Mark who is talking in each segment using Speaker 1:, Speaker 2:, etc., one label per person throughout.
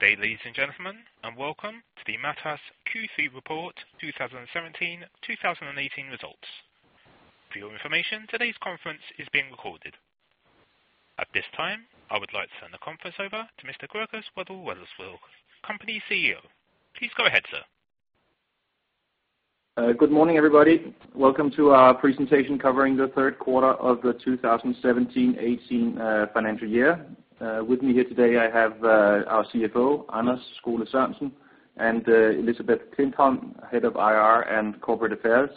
Speaker 1: Good day, ladies and gentlemen, and welcome to the Matas Q3 report 2017/18 results. For your information, today's conference is being recorded. At this time, I would like to turn the conference over to Mr. Gregers Wedell-Wedellsborg, company CEO. Please go ahead, sir.
Speaker 2: Good morning, everybody. Welcome to our presentation covering the third quarter of the 2017/18 financial year. With me here today, I have our CFO, Anders Skole-Sørensen, and Elisabeth Klintholm, Head of IR and Corporate Affairs.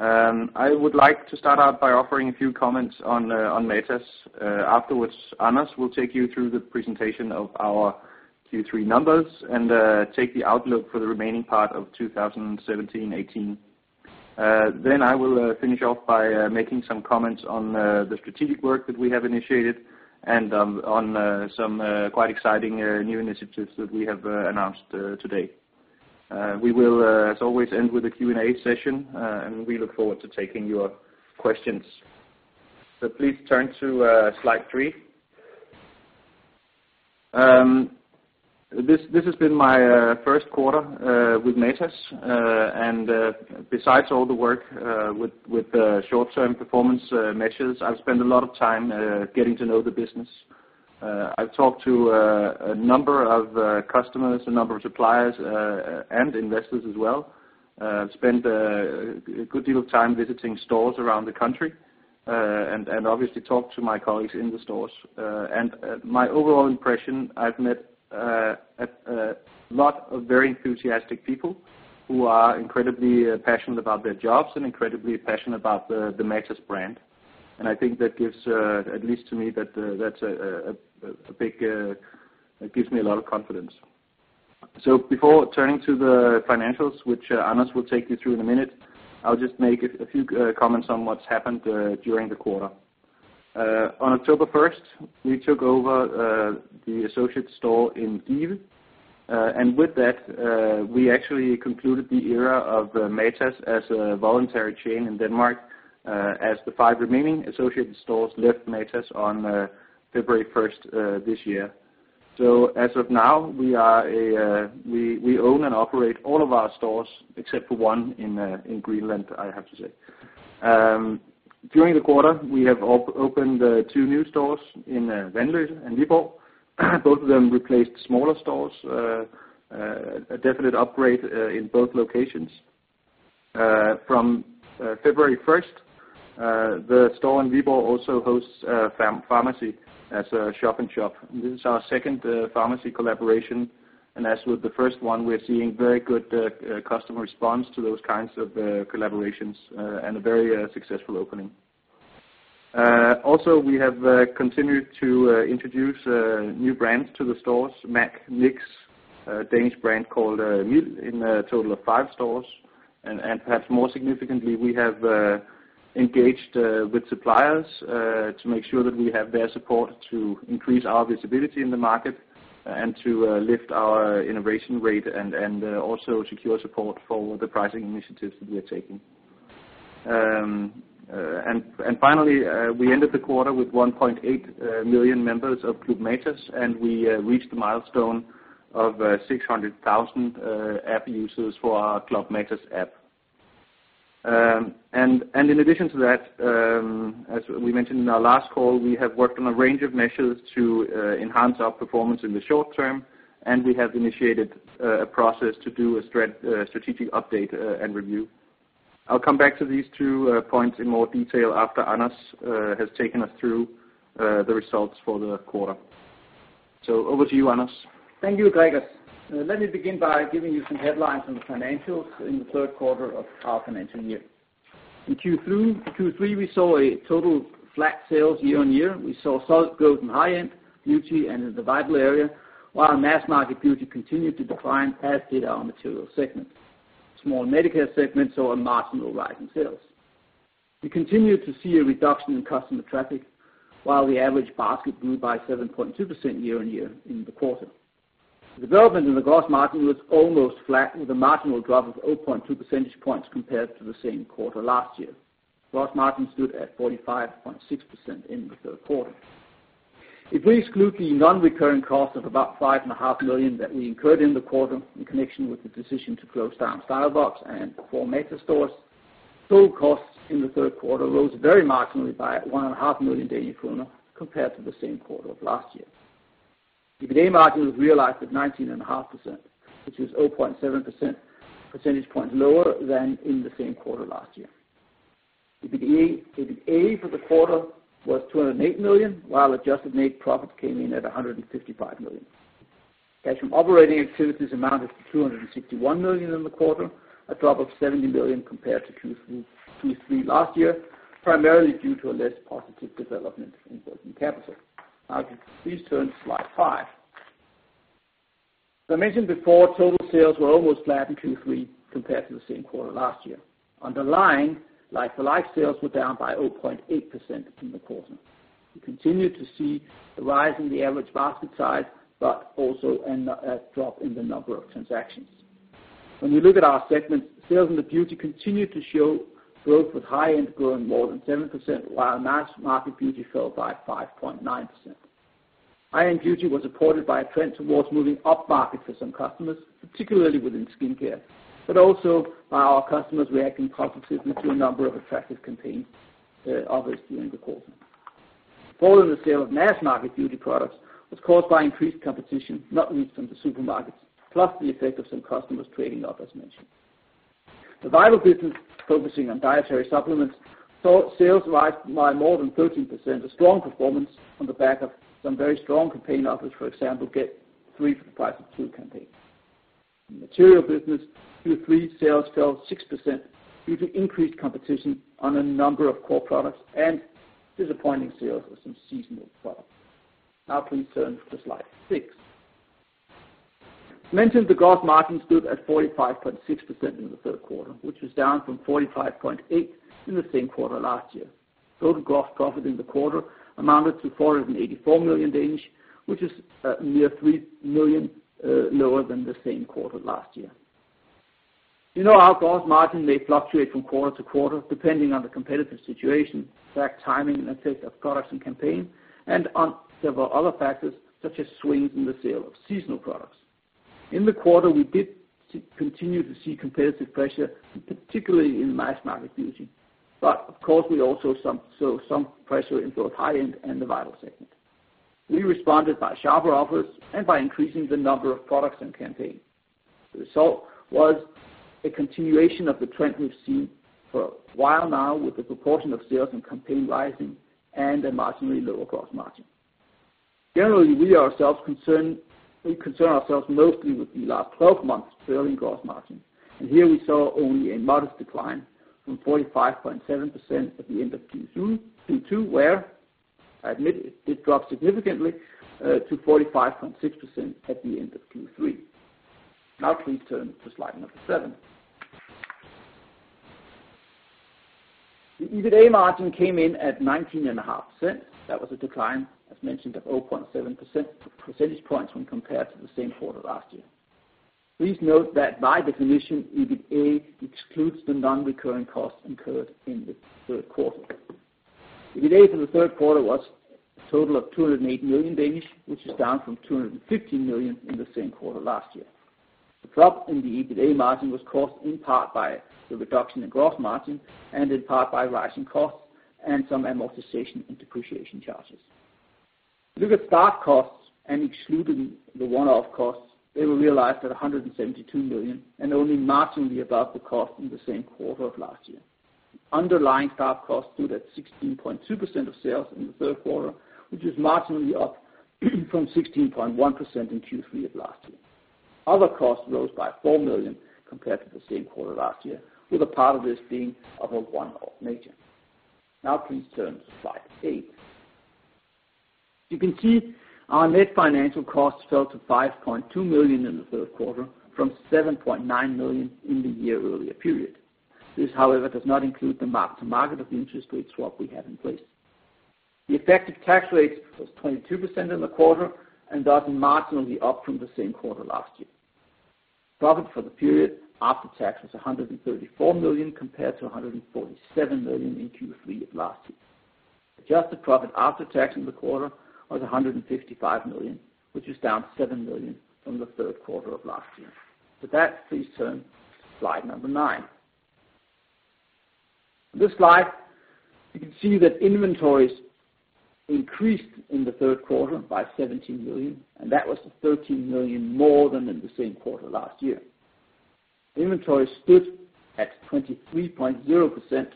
Speaker 2: I would like to start out by offering a few comments on Matas. Afterwards, Anders will take you through the presentation of our Q3 numbers and take the outlook for the remaining part of 2017/18. I will finish off by making some comments on the strategic work that we have initiated and on some quite exciting new initiatives that we have announced today. We will, as always, end with a Q&A session, and we look forward to taking your questions. Please turn to slide three. This has been my first quarter with Matas, and besides all the work with the short-term performance measures, I've spent a lot of time getting to know the business. I've talked to a number of customers, a number of suppliers, and investors as well. Spent a good deal of time visiting stores around the country, and obviously talk to my colleagues in the stores. My overall impression, I've met a lot of very enthusiastic people who are incredibly passionate about their jobs and incredibly passionate about the Matas brand. I think that gives, at least to me, gives me a lot of confidence. Before turning to the financials, which Anders will take you through in a minute, I'll just make a few comments on what's happened during the quarter. On October 1st, we took over the associate store in Give. With that, we actually concluded the era of Matas as a voluntary chain in Denmark, as the five remaining associated stores left Matas on February 1st this year. As of now, we own and operate all of our stores except for one in Greenland, I have to say. During the quarter, we have opened two new stores in Vanløse and Viborg. Both of them replaced smaller stores, a definite upgrade in both locations. From February 1st, the store in Viborg also hosts pharmacy as a shop in shop. This is our second pharmacy collaboration, and as with the first one, we're seeing very good customer response to those kinds of collaborations, and a very successful opening. Also we have continued to introduce new brands to the stores, MAC, NYX, a Danish brand called Miild in a total of five stores. Perhaps more significantly, we have engaged with suppliers to make sure that we have their support to increase our visibility in the market and to lift our innovation rate and also secure support for the pricing initiatives that we are taking. Finally, we ended the quarter with 1.8 million members of Club Matas, and we reached the milestone of 600,000 app users for our Club Matas app. In addition to that, as we mentioned in our last call, we have worked on a range of measures to enhance our performance in the short term, and we have initiated a process to do a strategic update and review. I'll come back to these two points in more detail after Anders has taken us through the results for the quarter. Over to you, Anders.
Speaker 3: Thank you, Gregers. Let me begin by giving you some headlines on the financials in the third quarter of our financial year. In Q3, we saw a total flat sales year-over-year. We saw solid growth in high-end beauty and in the Vital area, while our mass market beauty continued to decline as did our Material segment. Small MediCare segment saw a marginal rise in sales. We continued to see a reduction in customer traffic while the average basket grew by 7.2% year-over-year in the quarter. The development in the gross margin was almost flat with a marginal drop of 0.2 percentage points compared to the same quarter last year. Gross margin stood at 45.6% in the third quarter. If we exclude the non-recurring cost of about 5.5 million that we incurred in the quarter in connection with the decision to close down StyleBox and four Matas stores, total costs in the third quarter rose very marginally by 1.5 million krone compared to the same quarter of last year. EBITDA margin was realized at 19.5%, which was 0.7 percentage points lower than in the same quarter last year. EBITDA for the quarter was 208 million, while adjusted net profit came in at 155 million. Cash from operating activities amounted to 261 million in the quarter, a drop of 70 million compared to Q3 last year, primarily due to a less positive development in working capital. If you please turn to slide five. As I mentioned before, total sales were almost flat in Q3 compared to the same quarter last year. Underlying like for like sales were down by 0.8% in the quarter. We continued to see the rise in the average basket size, but also a drop in the number of transactions. When we look at our segments, sales in the beauty continued to show growth with high-end growing more than 7%, while mass market beauty fell by 5.9%. High-end beauty was supported by a trend towards moving up-market for some customers, particularly within skincare, but also by our customers reacting positively to a number of attractive campaigns offered during the quarter. The fall in the sale of mass market beauty products was caused by increased competition, not least from the supermarkets, plus the effect of some customers trading up, as mentioned. The Vital business focusing on dietary supplements, sales rose by more than 13%, a strong performance on the back of some very strong campaign offers, for example, get three for the price of two campaign. In Material business, Q3 sales fell 6% due to increased competition on a number of core products and disappointing sales of some seasonal products. Please turn to slide six. As mentioned, the gross margin stood at 45.6% in the third quarter, which was down from 45.8% in the same quarter last year. Total gross profit in the quarter amounted to 484 million, which is near 3 million lower than the same quarter last year. You know our gross margin may fluctuate from quarter to quarter depending on the competitive situation, fact timing and effect of products and campaign, and on several other factors such as swings in the sale of seasonal products. In the quarter, we did continue to see competitive pressure, particularly in mass market beauty. Of course we also saw some pressure in both high-end and the Vital segment. We responded by sharper offers and by increasing the number of products and campaigns. The result was a continuation of the trend we've seen for a while now, with the proportion of sales and campaign rising and a marginally lower gross margin. Generally, we concern ourselves mostly with the last 12 months trailing gross margin, and here we saw only a modest decline from 45.7% at the end of Q2, where I admit it did drop significantly to 45.6% at the end of Q3. Please turn to slide number seven. The EBITDA margin came in at 19.5%. That was a decline, as mentioned, of 0.7 percentage points when compared to the same quarter last year. Please note that by definition, EBITDA excludes the non-recurring costs incurred in the third quarter. EBITDA for the third quarter was a total of 208 million, which is down from 215 million in the same quarter last year. The drop in the EBITDA margin was caused in part by the reduction in gross margin and in part by rising costs and some amortization and depreciation charges. If you look at staff costs and excluding the one-off costs, they were realized at 172 million and only marginally above the cost in the same quarter of last year. Underlying staff costs stood at 16.2% of sales in the third quarter, which is marginally up from 16.1% in Q3 of last year. Other costs rose by 4 million compared to the same quarter last year, with a part of this being of a one-off nature. Please turn to slide eight. You can see our net financial costs fell to 5.2 million in the third quarter from 7.9 million in the year earlier period. This, however, does not include the mark to market of the interest rate swap we have in place. The effective tax rate was 22% in the quarter and thus marginally up from the same quarter last year. Profit for the period after tax was 134 million compared to 147 million in Q3 of last year. Adjusted profit after tax in the quarter was 155 million, which is down 7 million from the third quarter of last year. With that, please turn to slide number nine. In this slide, you can see that inventories increased in the third quarter by 17 million, and that was 13 million more than in the same quarter last year. Inventory stood at 23.0%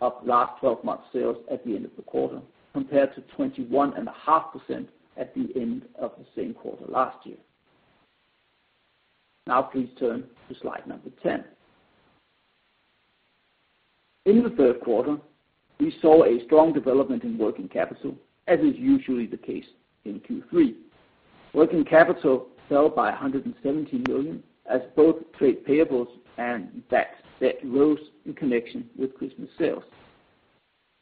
Speaker 3: of last 12 months sales at the end of the quarter, compared to 21.5% at the end of the same quarter last year. Please turn to slide 10. In the third quarter, we saw a strong development in working capital, as is usually the case in Q3. Working capital fell by 170 million as both trade payables and debt rose in connection with Christmas sales.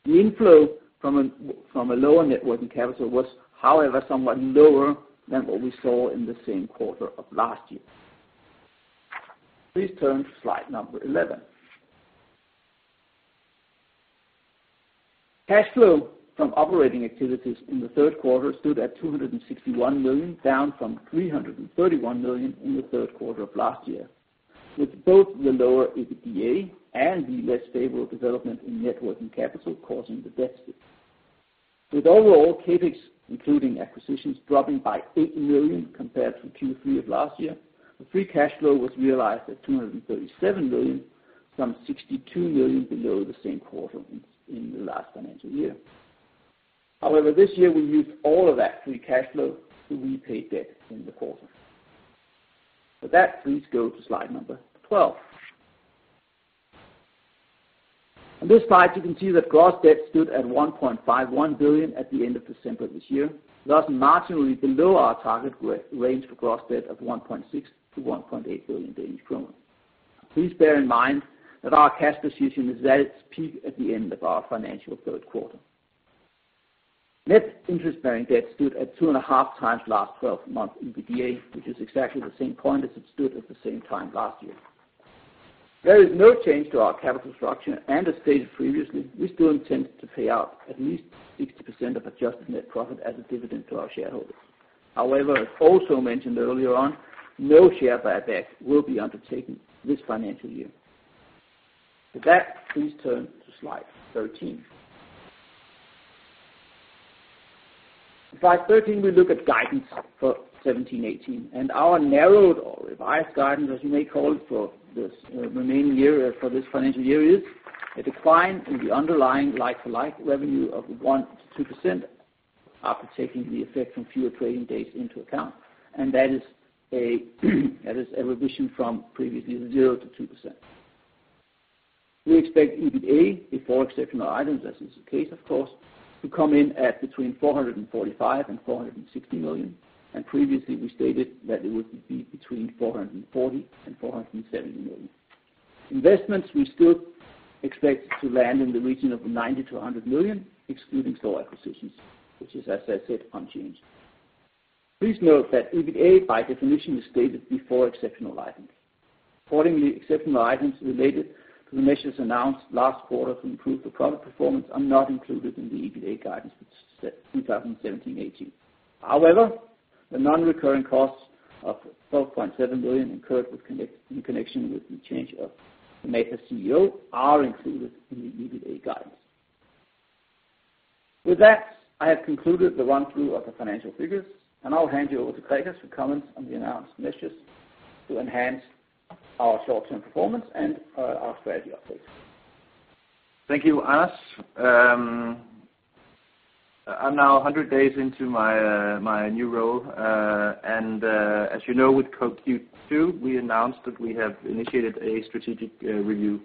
Speaker 3: The inflow from a lower net working capital was, however, somewhat lower than what we saw in the same quarter of last year. Please turn to slide 11. Cash flow from operating activities in the third quarter stood at 261 million, down from 331 million in the third quarter of last year, with both the lower EBITDA and the less favorable development in net working capital causing the deficit. With overall CapEx, including acquisitions, dropping by 80 million compared to Q3 of last year, the free cash flow was realized at 237 million, some 62 million below the same quarter in the last financial year. This year we used all of that free cash flow to repay debt in the quarter. With that, please go to slide 12. On this slide, you can see that gross debt stood at 1.51 billion at the end of December this year, thus marginally below our target range for gross debt of 1.6 billion-1.8 billion Danish kroner. Please bear in mind that our cash position is at its peak at the end of our financial third quarter. Net interest-bearing debt stood at 2.5 times last 12 months EBITDA, which is exactly the same point as it stood at the same time last year. There is no change to our capital structure. As stated previously, we still intend to pay out at least 60% of adjusted net profit as a dividend to our shareholders. As also mentioned earlier on, no share buyback will be undertaken this financial year. With that, please turn to slide 13. Slide 13, we look at guidance for 2017-2018, and our narrowed or revised guidance, as you may call it, for this remaining year, for this financial year, is a decline in the underlying like-for-like revenue of 1%-2% after taking the effect from fewer trading days into account, and that is a revision from previously 0%-2%. We expect EBITDA before exceptional items, as is the case, of course, to come in at between 445 million and 460 million, and previously we stated that it would be between 440 million and 470 million. Investments, we still expect to land in the region of 90 million-100 million, excluding store acquisitions, which is, as I said, unchanged. Please note that EBITDA, by definition, is stated before exceptional items. Accordingly, exceptional items related to the measures announced last quarter to improve the product performance are not included in the EBITDA guidance for 2017-2018. The non-recurring costs of 12.7 million incurred in connection with the change of the Matas CEO are included in the EBITDA guidance. With that, I have concluded the run-through of the financial figures, and I'll hand you over to Gregers for comments on the announced measures to enhance our short-term performance and our strategy updates.
Speaker 2: Thank you, Anders. I'm now 100 days into my new role and as you know, with Q2, we announced that we have initiated a strategic review.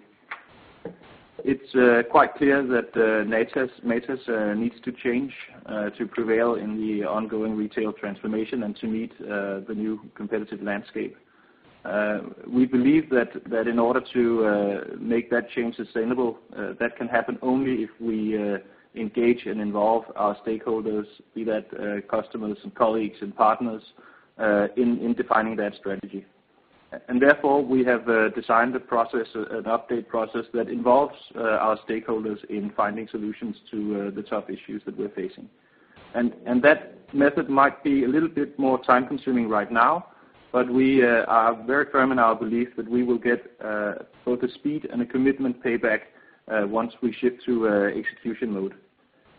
Speaker 2: It's quite clear that Matas needs to change to prevail in the ongoing retail transformation and to meet the new competitive landscape. We believe that in order to make that change sustainable, that can happen only if we engage and involve our stakeholders, be that customers and colleagues and partners, in defining that strategy. Therefore, we have designed an update process that involves our stakeholders in finding solutions to the top issues that we're facing. That method might be a little bit more time-consuming right now, but we are very firm in our belief that we will get both a speed and a commitment payback once we shift to execution mode.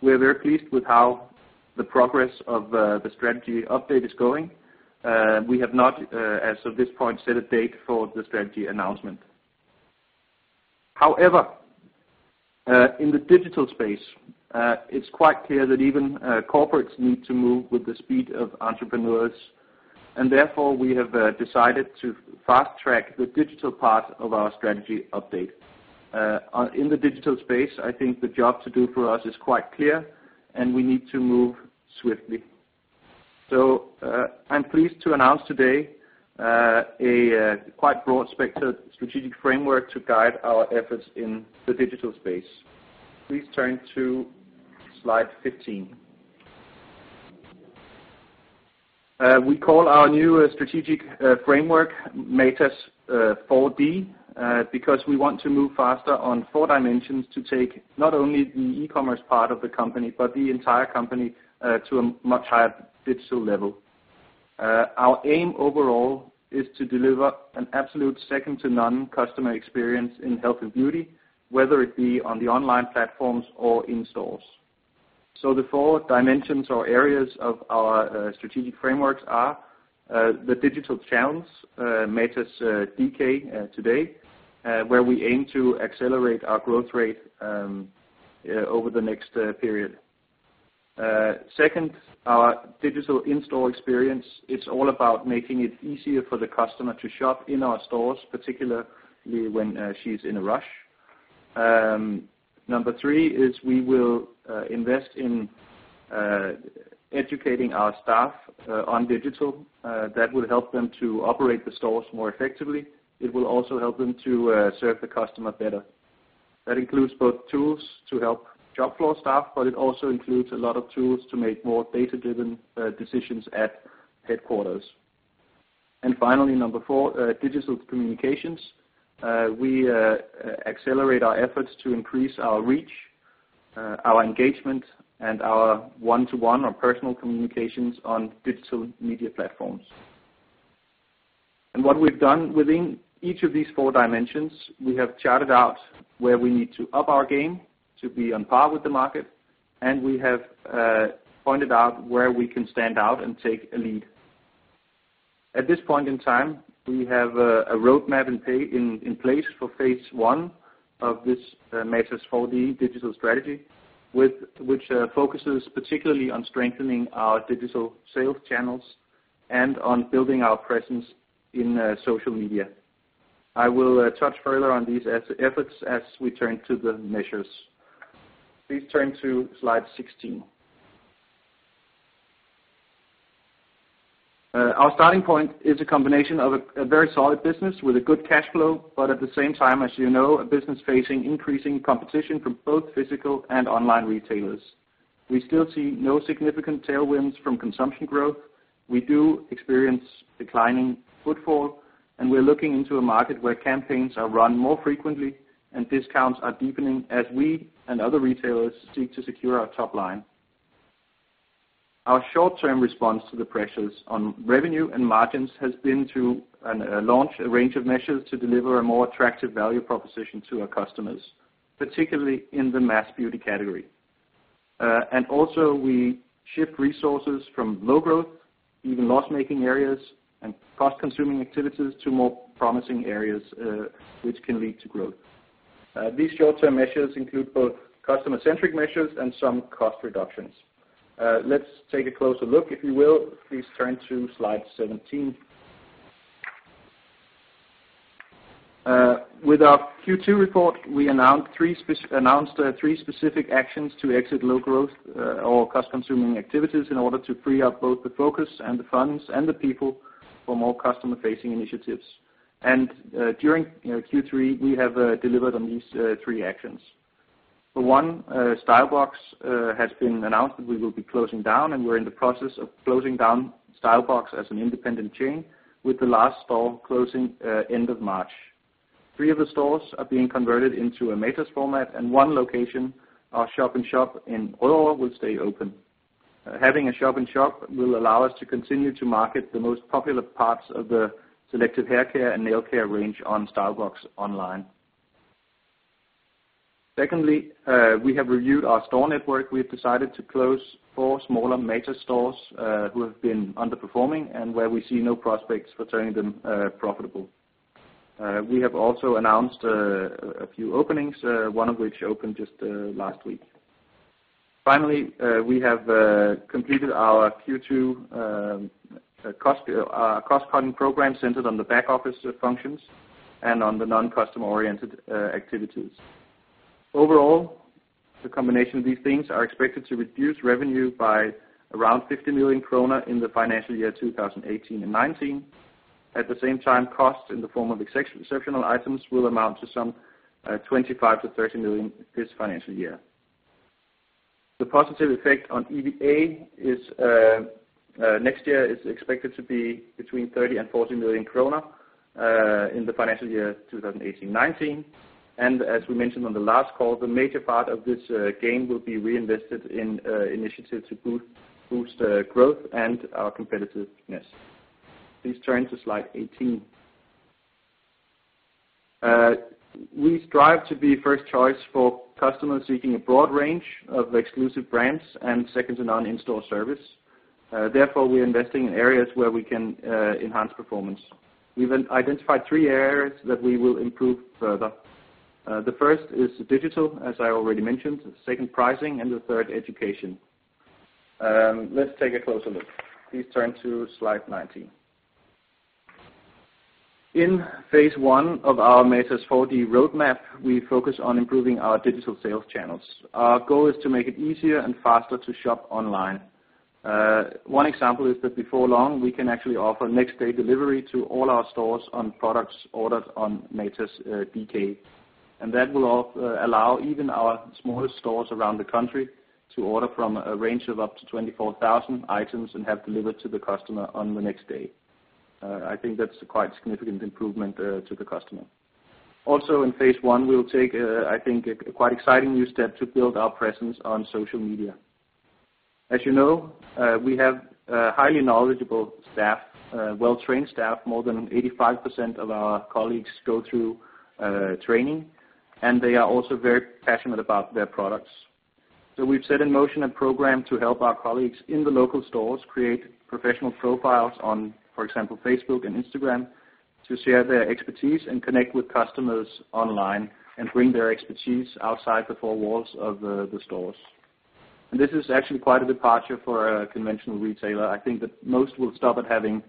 Speaker 2: We're very pleased with how the progress of the strategy update is going. We have not, as of this point, set a date for the strategy announcement. However, in the digital space it's quite clear that even corporates need to move with the speed of entrepreneurs and therefore we have decided to fast-track the digital part of our strategy update. In the digital space, I think the job to do for us is quite clear, and we need to move swiftly. I'm pleased to announce today a quite broad strategic framework to guide our efforts in the digital space. Please turn to slide 15. We call our new strategic framework Matas 4D because we want to move faster on four dimensions to take not only the e-commerce part of the company but the entire company to a much higher digital level. Our aim overall is to deliver an absolute second-to-none customer experience in health and beauty, whether it be on the online platforms or in stores. The four dimensions or areas of our strategic frameworks are the digital channels, Matas.dk today, where we aim to accelerate our growth rate over the next period. Second, our digital in-store experience. It's all about making it easier for the customer to shop in our stores, particularly when she's in a rush. Number three is we will invest in educating our staff on digital. That will help them to operate the stores more effectively. It will also help them to serve the customer better. That includes both tools to help shop floor staff, but it also includes a lot of tools to make more data-driven decisions at headquarters. Finally, number four, digital communications. We accelerate our efforts to increase our reach, our engagement, and our one-to-one or personal communications on digital media platforms. What we've done within each of these four dimensions, we have charted out where we need to up our game to be on par with the market, and we have pointed out where we can stand out and take a lead. At this point in time, we have a roadmap in place for phase one of this Matas 4D digital strategy, which focuses particularly on strengthening our digital sales channels and on building our presence in social media. I will touch further on these efforts as we turn to the measures. Please turn to slide 16. Our starting point is a combination of a very solid business with a good cash flow, but at the same time, as you know, a business facing increasing competition from both physical and online retailers. We still see no significant tailwinds from consumption growth. We do experience declining footfall, and we're looking into a market where campaigns are run more frequently and discounts are deepening as we and other retailers seek to secure our top line. Our short-term response to the pressures on revenue and margins has been to launch a range of measures to deliver a more attractive value proposition to our customers, particularly in the mass beauty category. We also shift resources from low growth, even loss-making areas and cost-consuming activities to more promising areas which can lead to growth. These short-term measures include both customer-centric measures and some cost reductions. Let's take a closer look. If you will, please turn to Slide 17. With our Q2 report, we announced three specific actions to exit low growth or cost-consuming activities in order to free up both the focus and the funds, and the people for more customer-facing initiatives. During Q3, we have delivered on these three actions. For one, StyleBox has been announced that we will be closing down, and we're in the process of closing down StyleBox as an independent chain with the last store closing end of March. Three of the stores are being converted into a Matas format and one location, our shop in shop in Rødovre will stay open. Having a shop in shop will allow us to continue to market the most popular parts of the selected haircare and nail care range on StyleBox online. Secondly, we have reviewed our store network. We have decided to close four smaller Matas stores who have been underperforming and where we see no prospects for turning them profitable. We have also announced a few openings, one of which opened just last week. Finally, we have completed our Q2 cost-cutting program centered on the back office functions and on the non-customer-oriented activities. Overall, the combination of these things are expected to reduce revenue by around 50 million krone in the financial year 2018 and 2019. At the same time, costs in the form of exceptional items will amount to some 25 million to 30 million this financial year. The positive effect on EVA next year is expected to be between 30 million and 40 million krone, in the financial year 2018-2019. As we mentioned on the last call, the major part of this gain will be reinvested in initiatives to boost growth and our competitiveness. Please turn to Slide 18. We strive to be first choice for customers seeking a broad range of exclusive brands and second to none in-store service. Therefore, we are investing in areas where we can enhance performance. We've identified three areas that we will improve further. The first is digital, as I already mentioned, second pricing, and the third education. Let's take a closer look. Please turn to Slide 19. In phase one of our Matas 4D roadmap, we focus on improving our digital sales channels. Our goal is to make it easier and faster to shop online. One example is that before long, we can actually offer next-day delivery to all our stores on products ordered on matas.dk. That will allow even our smallest stores around the country to order from a range of up to 24,000 items and have delivered to the customer on the next day. I think that's a quite significant improvement to the customer. Also in phase 1, we'll take, I think, a quite exciting new step to build our presence on social media. As you know, we have highly knowledgeable staff, well-trained staff. More than 85% of our colleagues go through training, and they are also very passionate about their products. We've set in motion a program to help our colleagues in the local stores create professional profiles on, for example, Facebook and Instagram to share their expertise and connect with customers online and bring their expertise outside the four walls of the stores. This is actually quite a departure for a conventional retailer. I think that most will stop at having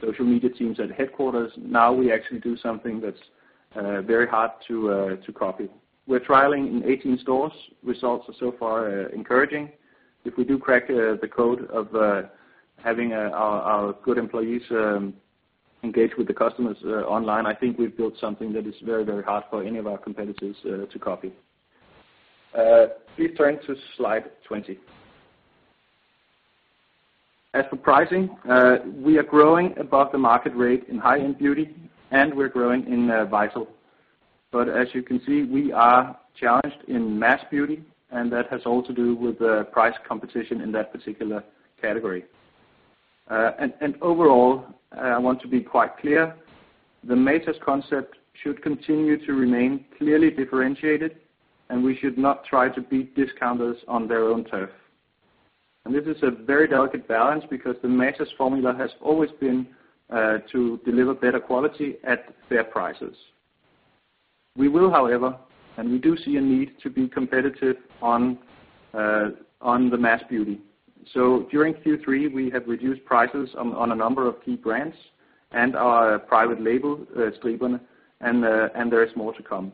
Speaker 2: social media teams at headquarters. Now we actually do something that's very hard to copy. We're trialing in 18 stores. Results are so far encouraging. If we do crack the code of having our good employees engage with the customers online, I think we've built something that is very hard for any of our competitors to copy. Please turn to Slide 20. As for pricing, we are growing above the market rate in high-end beauty, and we're growing in Vital. As you can see, we are challenged in mass beauty, and that has all to do with the price competition in that particular category. Overall, I want to be quite clear, the Matas concept should continue to remain clearly differentiated, and we should not try to beat discounters on their own turf. This is a very delicate balance because the Matas formula has always been to deliver better quality at fair prices. We will, however, and we do see a need to be competitive on the mass beauty. During Q3, we have reduced prices on a number of key brands and our private label, Striber, and there is more to come.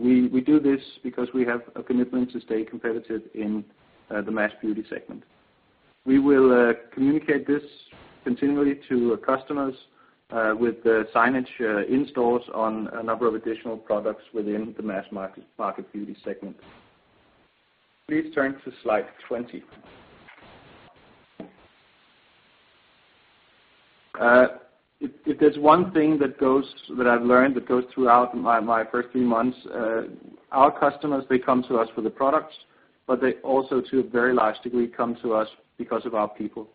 Speaker 2: We do this because we have a commitment to stay competitive in the mass beauty segment. We will communicate this continually to customers with signage in stores on a number of additional products within the mass market beauty segment. Please turn to Slide 20. If there's one thing that I've learned that goes throughout my first few months, our customers, they come to us for the products, but they also, to a very large degree, come to us because of our people.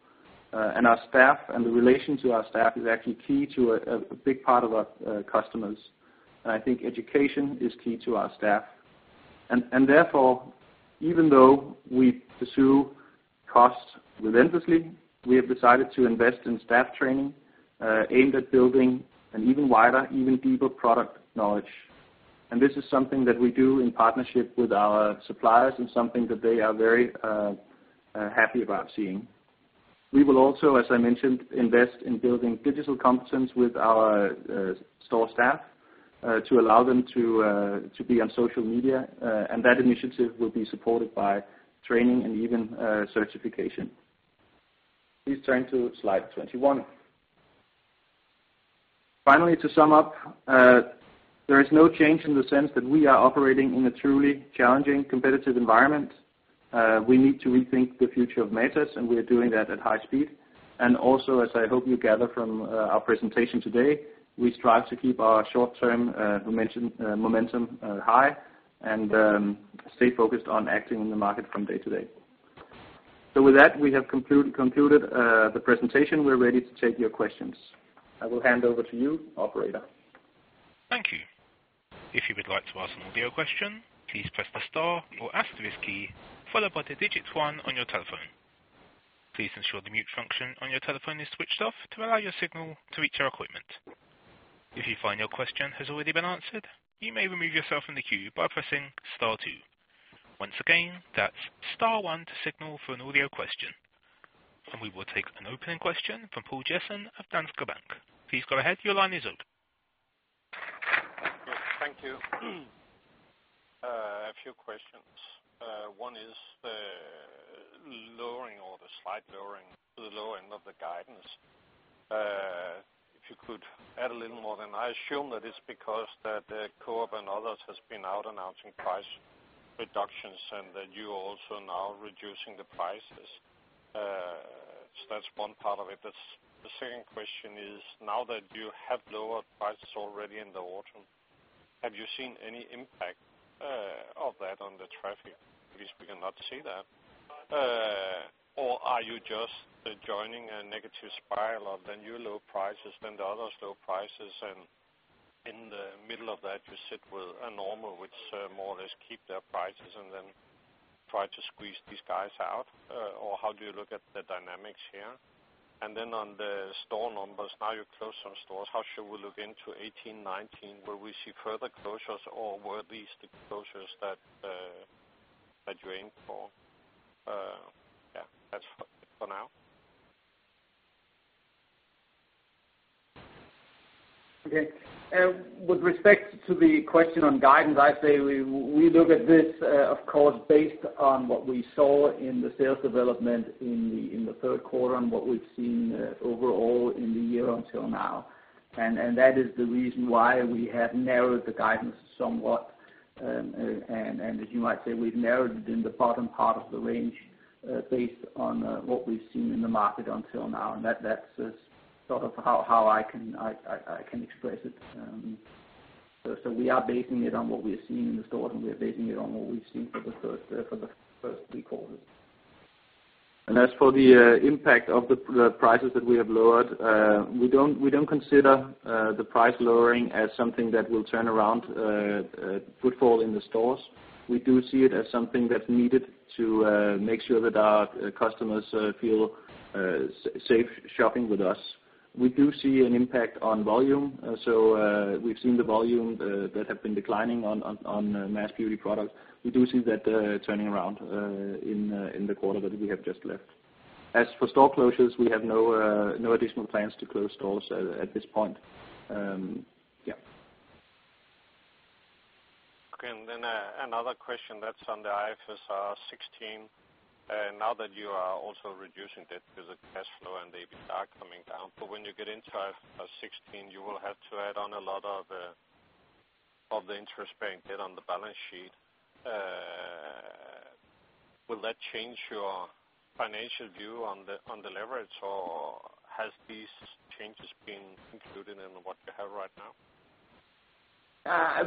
Speaker 2: Our staff and the relation to our staff is actually key to a big part of our customers. I think education is key to our staff. Therefore, even though we pursue costs relentlessly, we have decided to invest in staff training aimed at building an even wider, even deeper product knowledge. This is something that we do in partnership with our suppliers and something that they are very happy about seeing. We will also, as I mentioned, invest in building digital competence with our store staff to allow them to be on social media and that initiative will be supported by training and even certification. Please turn to Slide 21. Finally, to sum up, there is no change in the sense that we are operating in a truly challenging competitive environment. We need to rethink the future of Matas, and we are doing that at high speed. As I hope you gather from our presentation today, we strive to keep our short-term momentum high and stay focused on acting in the market from day to day. With that, we have concluded the presentation. We are ready to take your questions. I will hand over to you, operator.
Speaker 1: Thank you. If you would like to ask an audio question, please press the star or asterisk key, followed by the digit 1 on your telephone. Please ensure the mute function on your telephone is switched off to allow your signal to reach our equipment. If you find your question has already been answered, you may remove yourself from the queue by pressing star 2. Once again, that is star 1 to signal for an audio question. We will take an opening question from Poul Jessen of Danske Bank. Please go ahead. Your line is open.
Speaker 4: Yes. Thank you. A few questions. 1 is the slight lowering to the low end of the guidance. If you could add a little more, then I assume that it is because that Coop and others has been out announcing price reductions and that you also now reducing the prices. That is 1 part of it. The 2nd question is, now that you have lowered prices already in the autumn, have you seen any impact of that on the traffic? Because we cannot see that. Are you just joining a negative spiral of then you lower prices, then the others lower prices, and in the middle of that, you sit with a NORMAL, which more or less keep their prices and then try to squeeze these guys out? How do you look at the dynamics here? Then on the store numbers, now you close some stores, how should we look into 2018, 2019? Will we see further closures, or were these the closures that you aimed for? Yeah. That is for now.
Speaker 2: Okay. With respect to the question on guidance, I say we look at this, of course, based on what we saw in the sales development in the third quarter and what we've seen overall in the year until now. That is the reason why we have narrowed the guidance somewhat. As you might say, we've narrowed it in the bottom part of the range, based on what we've seen in the market until now, and that's sort of how I can express it. We are basing it on what we are seeing in the stores, and we are basing it on what we've seen for the first three quarters. As for the impact of the prices that we have lowered, we don't consider the price lowering as something that will turn around footfall in the stores. We do see it as something that's needed to make sure that our customers feel safe shopping with us. We do see an impact on volume. We've seen the volume that have been declining on mass beauty products. We do see that turning around in the quarter that we have just left. As for store closures, we have no additional plans to close stores at this point. Yeah.
Speaker 4: Okay. Another question that's on the IFRS 16. Now that you are also reducing debt because of cash flow and the EBITDA coming down, when you get into IFRS 16, you will have to add on a lot of the interest-bearing debt on the balance sheet. Will that change your financial view on the leverage, or has these changes been included in what you have right now?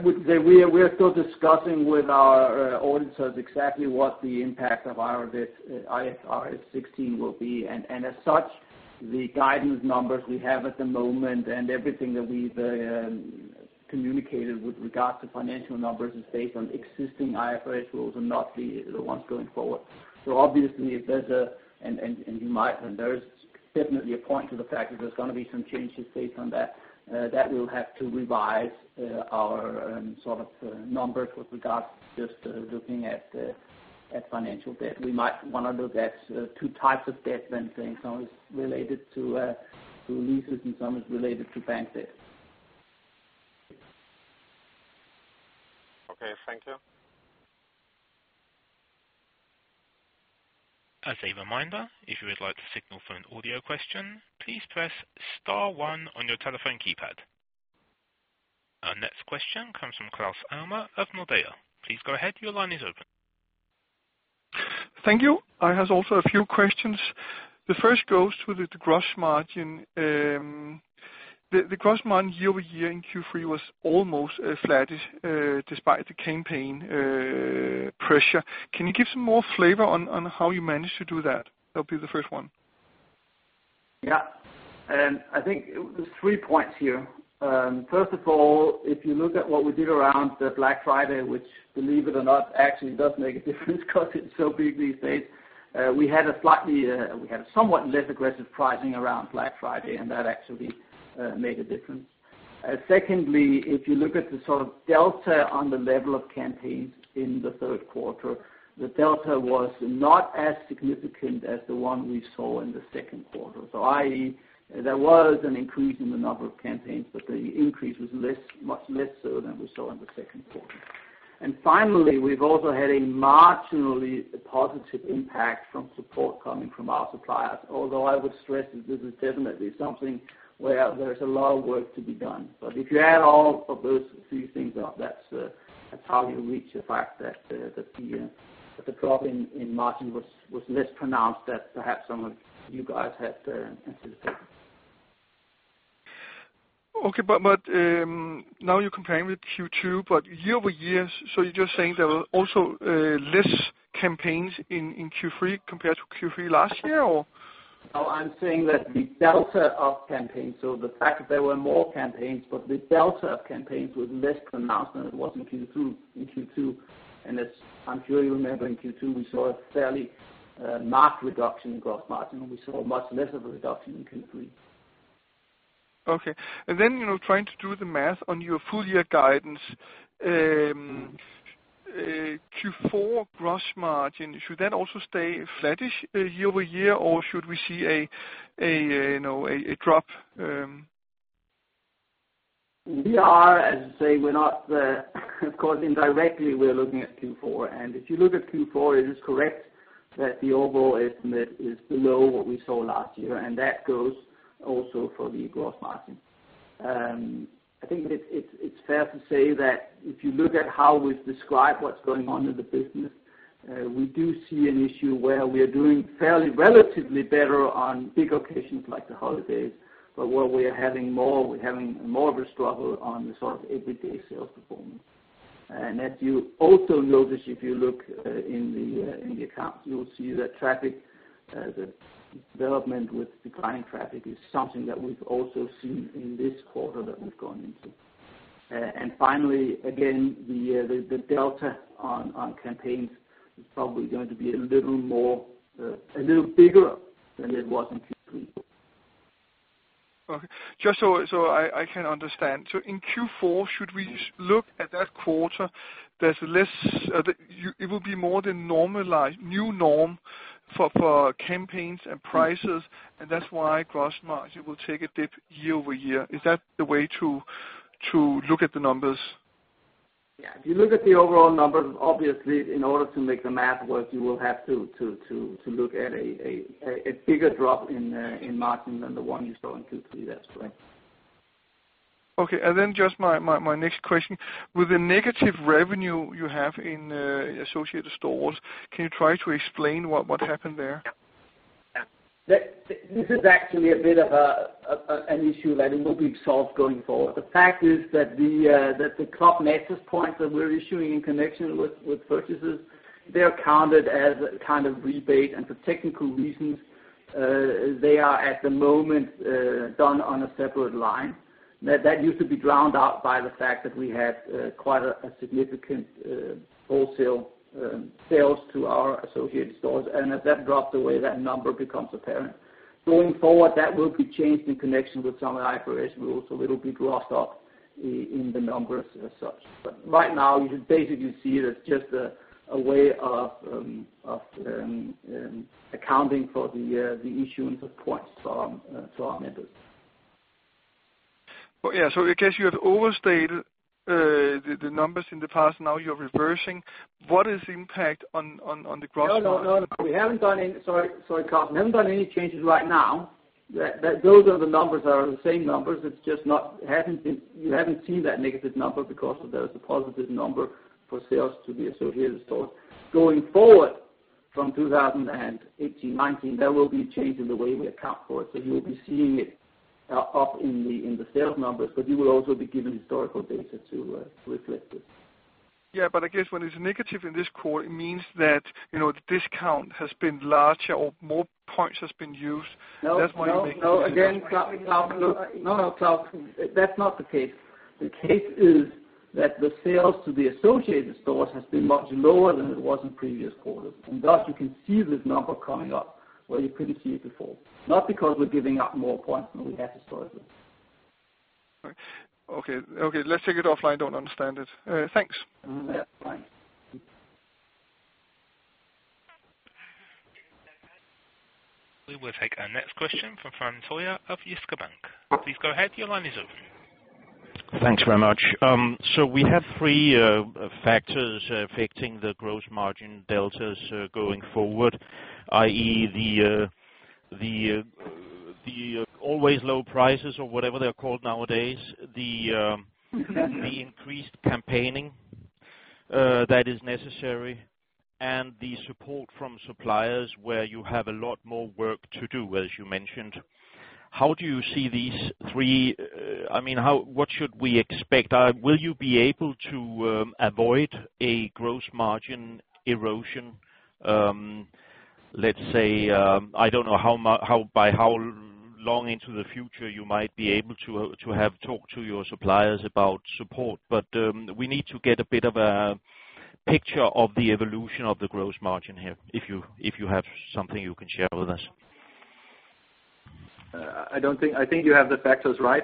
Speaker 3: We're still discussing with our auditors exactly what the impact of our IFRS 16 will be. As such, the guidance numbers we have at the moment and everything that we've communicated with regard to financial numbers is based on existing IFRS rules and not the ones going forward. Obviously, there is definitely a point to the fact that there's going to be some changes based on that. That will have to revise our sort of numbers with regards to just looking at financial debt. We might want to look at two types of debt then, saying some is related to leases and some is related to bank debt.
Speaker 4: Okay. Thank you.
Speaker 1: As a reminder, if you would like to signal for an audio question, please press star one on your telephone keypad. Our next question comes from Klaus Alma of Nordea. Please go ahead. Your line is open.
Speaker 5: Thank you. I have also a few questions. The first goes to the gross margin. The gross margin year-over-year in Q3 was almost flattish, despite the campaign pressure. Can you give some more flavor on how you managed to do that? That will be the first one.
Speaker 2: Yeah. I think there is three points here. First of all, if you look at what we did around the Black Friday, which believe it or not, actually does make a difference because it is so big these days. We had somewhat less aggressive pricing around Black Friday, and that actually made a difference. Secondly, if you look at the sort of delta on the level of campaigns in the third quarter, the delta was not as significant as the one we saw in the second quarter. I.e., there was an increase in the number of campaigns, the increase was much less so than we saw in the second quarter. Finally, we have also had a marginally positive impact from support coming from our suppliers, although I would stress that this is definitely something where there is a lot of work to be done. If you add all of those three things up, that's how you reach the fact that the drop in margin was less pronounced than perhaps some of you guys had anticipated.
Speaker 5: Okay. Now you're comparing with Q2, but year-over-year, so you're just saying there were also less campaigns in Q3 compared to Q3 last year?
Speaker 2: No, I'm saying that the delta of campaigns, so the fact that there were more campaigns, but the delta of campaigns was less pronounced than it was in Q2. I'm sure you remember in Q2, we saw a fairly marked reduction in gross margin, and we saw much less of a reduction in Q3.
Speaker 5: Okay. Trying to do the math on your full-year guidance. Q4 gross margin, should that also stay flattish year-over-year, or should we see a drop?
Speaker 3: We are, as I say, we're not, of course, indirectly, we're looking at Q4. If you look at Q4, it is correct that the overall estimate is below what we saw last year, and that goes also for the gross margin. I think it's fair to say that if you look at how we've described what's going on in the business, we do see an issue where we are doing fairly relatively better on big occasions like the holidays, but where we're having more of a struggle on the sort of everyday sales performance. As you also notice, if you look in the accounts, you'll see that traffic, the development with declining traffic is something that we've also seen in this quarter that we've gone into. Finally, again, the delta on campaigns is probably going to be a little bigger than it was in Q3.
Speaker 5: Okay. Just so I can understand. In Q4, should we look at that quarter, it will be more the normalized new norm for campaigns and prices, and that's why gross margin will take a dip year-over-year. Is that the way to look at the numbers?
Speaker 3: Yeah. If you look at the overall numbers, obviously in order to make the math work, you will have to look at a bigger drop in margin than the one you saw in Q3. That's correct.
Speaker 5: Okay, then just my next question. With the negative revenue you have in associated stores, can you try to explain what happened there?
Speaker 3: This is actually a bit of an issue that will be solved going forward. The fact is that the Club Matas points that we're issuing in connection with purchases, they are counted as a kind of rebate and for technical reasons, they are at the moment done on a separate line. As that dropped away, that number becomes apparent. Going forward, that will be changed in connection with some of the IFRS rules, so it'll be crossed off in the numbers as such. Right now you can basically see it as just a way of accounting for the issuance of points to our members.
Speaker 5: Yeah. I guess you have overstate the numbers in the past. Now you're reversing. What is the impact on the gross-
Speaker 3: No, no. We haven't done any Sorry, Klaus. We haven't done any changes right now. Those are the numbers are the same numbers. You haven't seen that negative number because there was a positive number for sales to the associated stores. Going forward from 2018-2019, there will be a change in the way we account for it. You'll be seeing it up in the sales numbers, but you will also be given historical data to reflect this.
Speaker 5: Yeah. I guess when it's negative in this quarter, it means that the discount has been larger or more points has been used. That's why you make-
Speaker 3: No. Again, Klaus. No, no, Klaus, that's not the case. The case is that the sales to the associated stores has been much lower than it was in previous quarters, and thus you can see this number coming up where you couldn't see it before. Not because we're giving out more points than we have historically.
Speaker 5: Right. Okay. Let's take it offline, don't understand it. Thanks.
Speaker 3: Yeah, bye.
Speaker 1: We will take our next question from [François of Jyske Bank. Please go ahead. Your line is open.
Speaker 6: Thanks very much. We have three factors affecting the gross margin deltas going forward, i.e., the always low prices or whatever they're called nowadays, the increased campaigning that is necessary, and the support from suppliers where you have a lot more work to do, as you mentioned. How do you see these three? What should we expect? Will you be able to avoid a gross margin erosion? Let's say, I don't know by how long into the future you might be able to have talked to your suppliers about support, but we need to get a bit of a picture of the evolution of the gross margin here, if you have something you can share with us.
Speaker 2: I think you have the factors right.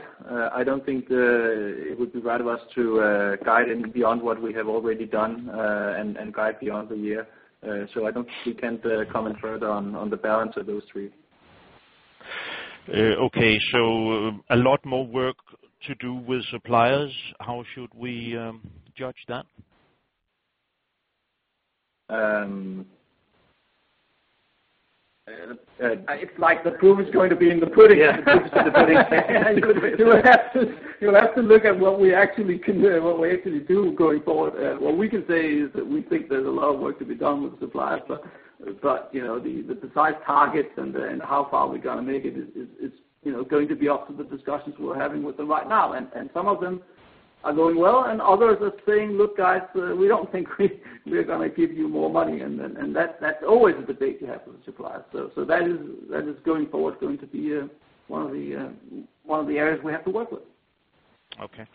Speaker 2: I don't think it would be right of us to guide beyond what we have already done and guide beyond the year. I don't think we can comment further on the balance of those three.
Speaker 6: Okay. A lot more work to do with suppliers. How should we judge that?
Speaker 2: It's like the proof is going to be in the pudding.
Speaker 6: Yeah.
Speaker 2: You'll have to look at what we actually do going forward. What we can say is that we think there's a lot of work to be done with suppliers, but the precise targets and how far we're going to make it is going to be up to the discussions we're having with them right now. Some of them are going well, and others are saying, "Look, guys, we don't think we're going to give you more money." That's always a debate you have with suppliers. That is, going forward, going to be one of the areas we have to work with.
Speaker 6: Okay.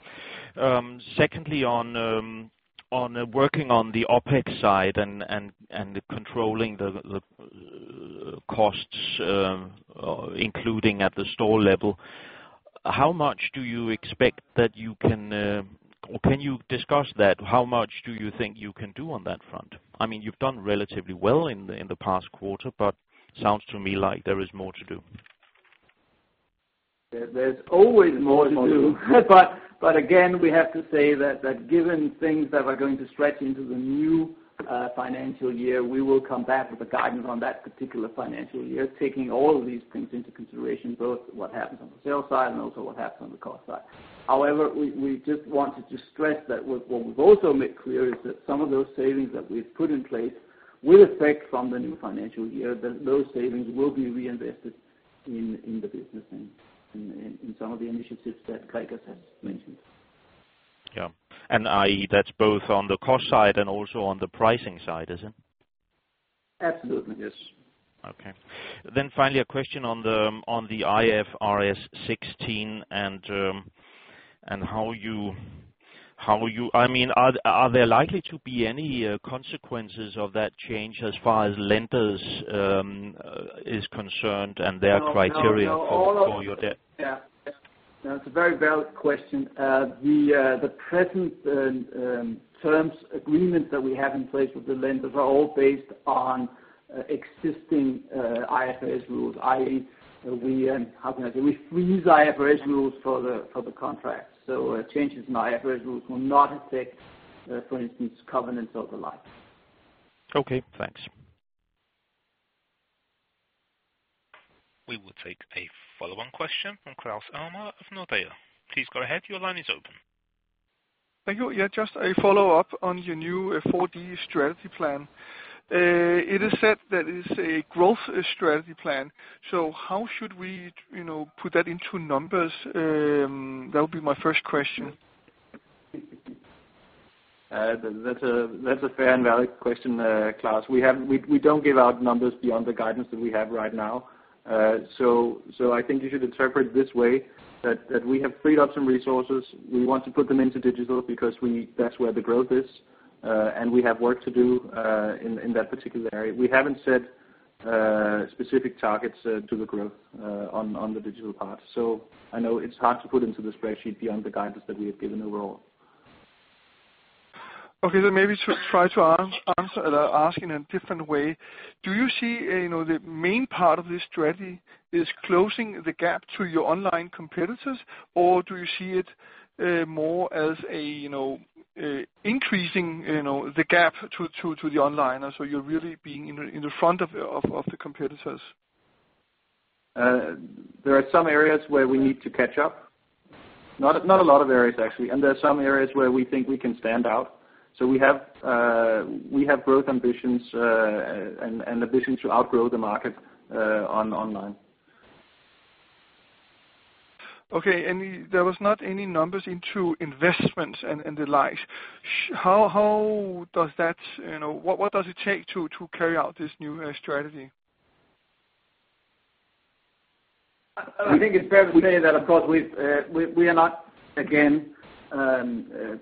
Speaker 6: Secondly, on working on the OpEx side and the controlling the costs, including at the store level, can you discuss that? How much do you think you can do on that front? You've done relatively well in the past quarter, but it sounds to me like there is more to do.
Speaker 3: There's always more to do. Again, we have to say that given things that are going to stretch into the new financial year, we will come back with a guidance on that particular financial year, taking all of these things into consideration, both what happens on the sales side and also what happens on the cost side. However, we just wanted to stress that what we've also made clear is that some of those savings that we've put in place will affect from the new financial year, that those savings will be reinvested in the business and in some of the initiatives that Gregers has mentioned.
Speaker 6: Yeah. I.e., that's both on the cost side and also on the pricing side, is it?
Speaker 3: Absolutely, yes.
Speaker 6: Okay. Finally, a question on the IFRS 16 and, are there likely to be any consequences of that change as far as lenders is concerned and their criteria for your debt?
Speaker 3: Yeah. That's a very valid question. The present terms agreement that we have in place with the lenders are all based on existing IFRS rules, i.e., we use IFRS rules for the contract. Changes in IFRS rules will not affect, for instance, covenants of the like.
Speaker 6: Okay, thanks.
Speaker 1: We will take a follow-on question from Klaus Alma of Nordea. Please go ahead. Your line is open.
Speaker 5: Thank you. Yeah, just a follow-up on your new Matas 4D strategy plan. It is said that it is a growth strategy plan. How should we put that into numbers? That would be my first question.
Speaker 2: That's a fair and valid question, Klaus. We don't give out numbers beyond the guidance that we have right now. I think you should interpret it this way, that we have freed up some resources. We want to put them into digital because that's where the growth is. We have work to do in that particular area. We haven't set specific targets to the growth on the digital part. I know it's hard to put into the spreadsheet beyond the guidance that we have given overall.
Speaker 5: Okay, then maybe to try to ask in a different way. Do you see the main part of this strategy is closing the gap to your online competitors, or do you see it more as increasing the gap to the online, and so you're really being in the front of the competitors?
Speaker 2: There are some areas where we need to catch up. Not a lot of areas, actually, and there are some areas where we think we can stand out. We have growth ambitions and ambition to outgrow the market online.
Speaker 5: Okay. There was not any numbers into investments and the likes. What does it take to carry out this new strategy?
Speaker 2: I think it's fair to say that, of course, we are not, again,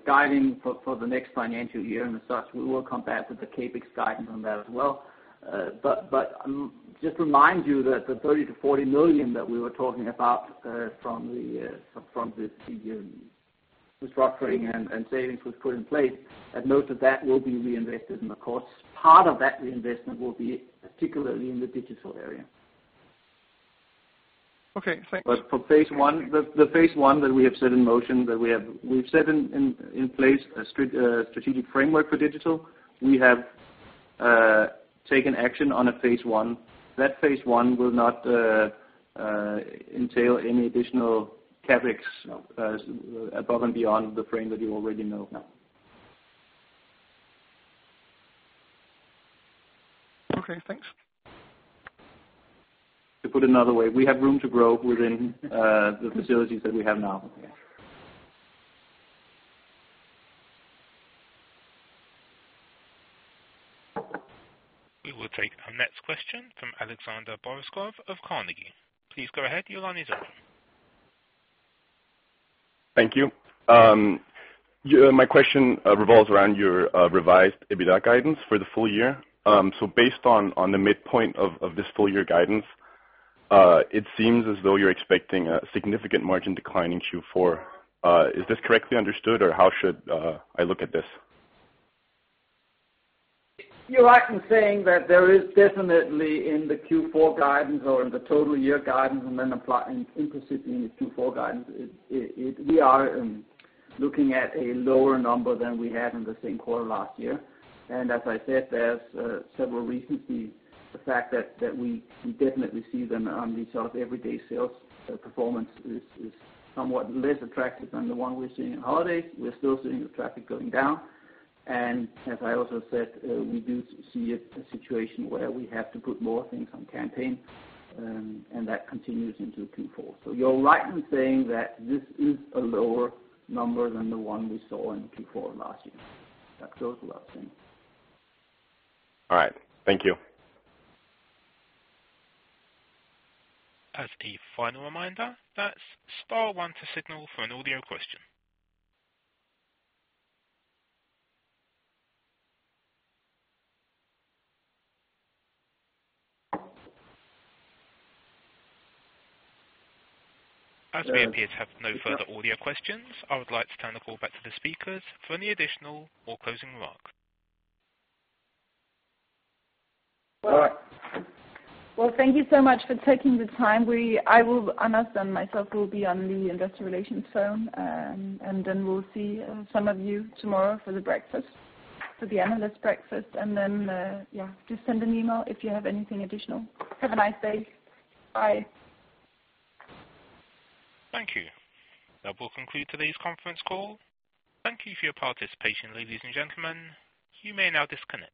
Speaker 2: guiding for the next financial year and as such, we will come back with the CapEx guidance on that as well. Just remind you that the 30 million-40 million that we were talking about from the previous [re-structuring] and savings was put in place, and most of that will be reinvested in the course. Part of that reinvestment will be particularly in the digital area.
Speaker 5: Okay, thanks.
Speaker 2: For phase one, the phase one that we have set in motion, that we've set in place a strategic framework for digital. We have taken action on a phase one. That phase one will not entail any additional CapEx above and beyond the frame that you already know.
Speaker 5: Okay, thanks.
Speaker 2: To put it another way, we have room to grow within the facilities that we have now.
Speaker 1: We will take our next question from Alexander Borreskov of Carnegie. Please go ahead. Your line is open.
Speaker 7: Thank you. My question revolves around your revised EBITDA guidance for the full year. Based on the midpoint of this full year guidance, it seems as though you're expecting a significant margin decline in Q4. Is this correctly understood, or how should I look at this?
Speaker 3: You're right in saying that there is definitely in the Q4 guidance or in the total year guidance, and then implicit in the Q4 guidance, we are looking at a lower number than we had in the same quarter last year. As I said, there's several reasons. The fact that we definitely see them on the everyday sales performance is somewhat less attractive than the one we're seeing in holidays. We're still seeing the traffic going down. As I also said, we do see a situation where we have to put more things on campaign, and that continues into Q4. You're right in saying that this is a lower number than the one we saw in Q4 last year. That's also what I'm saying.
Speaker 7: All right. Thank you.
Speaker 1: As a final reminder, that's star one to signal for an audio question. As we appear to have no further audio questions, I would like to turn the call back to the speakers for any additional or closing remarks.
Speaker 3: All right.
Speaker 8: Well, thank you so much for taking the time. Anders and myself will be on the investor relations phone. We'll see some of you tomorrow for the breakfast, for the analyst breakfast. Yeah, just send an email if you have anything additional. Have a nice day. Bye.
Speaker 1: Thank you. That will conclude today's conference call. Thank you for your participation, ladies and gentlemen. You may now disconnect.